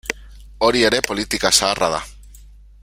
Hori ere politika zaharra da.